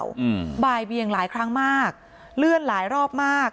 อืมบ่ายเบียงหลายครั้งมากเลื่อนหลายรอบมาก